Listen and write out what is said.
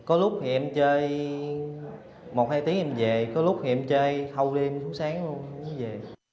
có lúc thì em chơi một hai tiếng em về có lúc thì em chơi hâu đi em sáng luôn rồi em về